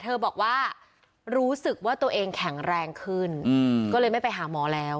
บอกว่ารู้สึกว่าตัวเองแข็งแรงขึ้นก็เลยไม่ไปหาหมอแล้ว